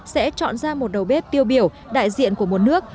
sẽ chọn ra một đầu bếp tiêu biểu đại diện của một nước